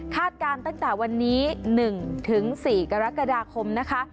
การตั้งแต่วันนี้๑๔กรกฎาคมนะคะ